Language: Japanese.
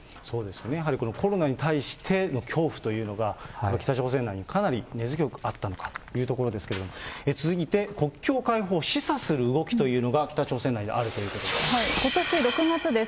やはりコロナに対しての恐怖というのが、北朝鮮内にかなり根強くあったのかというところですけれども、続いて国境開放を示唆する動きというのが北朝鮮内にあるというこことし６月です。